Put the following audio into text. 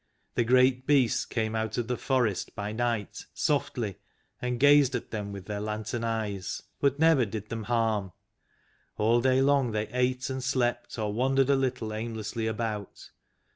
The great beasts came out of the forest by night softly and gazed at them with their lantern eyes, but never did them harm. All day long they ate and slept or wan dered a little aimlessly about.